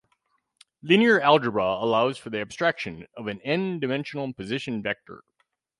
Linear algebra allows for the abstraction of an "n"-dimensional position vector.